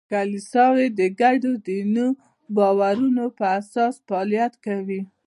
کلیساوې د ګډو دیني باورونو په اساس فعالیت کوي.